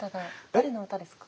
誰の歌ですか？